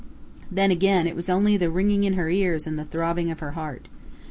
Then again it was only the ringing in her ears and throbbing of her heart.